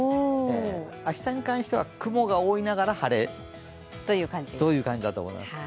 明日に関しては雲が多いながらも晴れという感じだと思います。